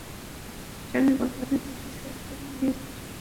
স্বামীর সন্ধানে দুই শিশুসন্তান নিয়ে স্ত্রী সুরভী বেগম এখন দ্বারে দ্বারে ঘুরছেন।